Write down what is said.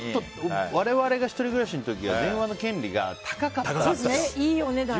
我々が１人暮らしの時は電話の権利が高かったから。